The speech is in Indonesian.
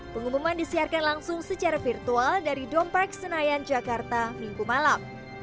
pengumuman disiarkan langsung secara virtual dari dompark senayan jakarta minggu malam